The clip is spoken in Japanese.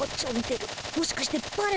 もしかしてバレた？